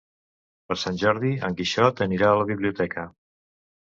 Per Sant Jordi en Quixot anirà a la biblioteca.